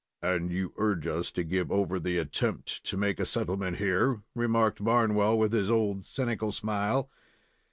"And you urge us to give over the attempt to make a settlement here?" remarked Barnwell, with his old cynical smile.